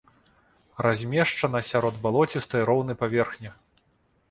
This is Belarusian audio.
Размешчана сярод балоцістай роўнай паверхні.